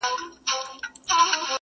ما ورکتل چي د مرګي پياله یې ونوشله،